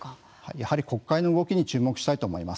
やはり国会の動きに注目したいと思います。